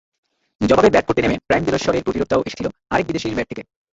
জবাবে ব্যাট করতে নেমে প্রাইম দেলোশ্বরের প্রতিরোধটাও এসেছিল আরেক বিদেশির ব্যাট থেকে।